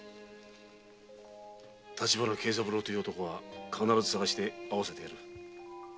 立花慶三郎は必ず捜して会わせてやる。